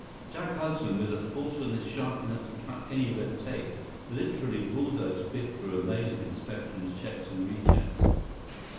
Jack Hudson, with a forcefulness sharp enough to cut any red tape, literally bulldozed Biff through a maze of inspections, checks, and rechecks.